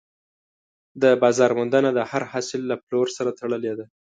د بازار موندنه د هر حاصل له پلور سره تړلې ده.